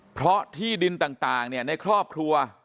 เพราะที่ดินต่างในครอบครัว